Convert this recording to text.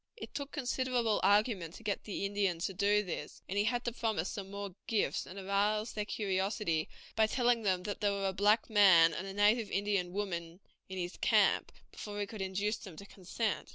It took considerable argument to get the Indians to do this, and he had to promise them more gifts and arouse their curiosity by telling them that there were a black man and a native Indian woman in his camp, before he could induce them to consent.